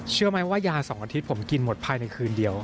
เชื่อไหมว่ายา๒อาทิตย์ผมกินหมดภายในคืนเดียว